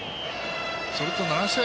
それと７試合